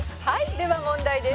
では問題です」